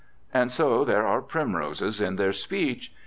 And so there are primroses in their speech.